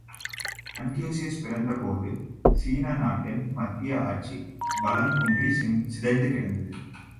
Confucius பிறந்தபோது, சீன நாட்டின் மத்திய ஆட்சி பலங்குன்றி சிதைந்துக் கிடந்தது!